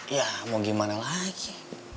ya mau gimana lagi